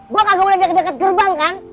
gue kagak boleh deket deket gerbang kan